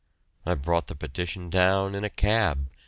I brought the petition down in a cab.